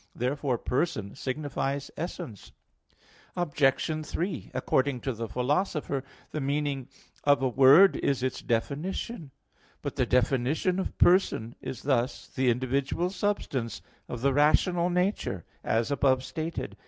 Therefore person signifies essence. Obj. 3: According to the Philosopher (Metaph. iv), the meaning of a word is its definition. But the definition of "person" is this: "The individual substance of the rational nature," as above stated.